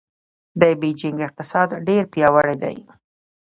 د بېجینګ اقتصاد ډېر پیاوړی دی.